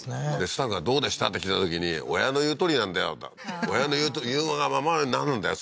スタッフが「どうでした？」って聞いたときに親の言うとおりなんだよ親の言うがままになるんだよ